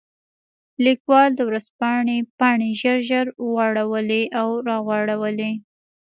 لیکوال د ورځپاڼې پاڼې ژر ژر واړولې او راواړولې.